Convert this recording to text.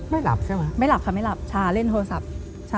หลับใช่ไหมไม่หลับค่ะไม่หลับชาเล่นโทรศัพท์